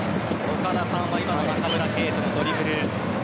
岡田さんは今の中村敬斗のドリブル。